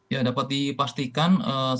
ya dapat dipastikan